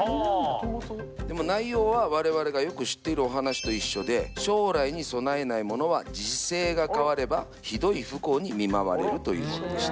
でも内容は我々がよく知っているお話と一緒で「将来に備えない者は時勢が変わればひどい不幸に見舞われる」というものでした。